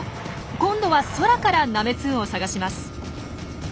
今度は空からナメツンを探します。